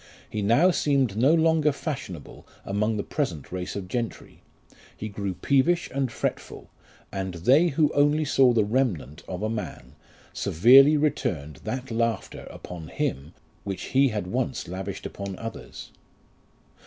He now seemed no longer fashionable among the present race of gentry ; he grew peevish and fretful, and they who only saw the remnant of a man, severely returned that laughter upon him which he had once lavished upon others.